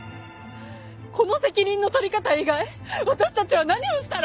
この責任の取り方以外私たちは何をしたら！